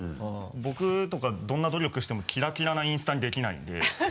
僕とかどんな努力してもキラキラなインスタにできないんで。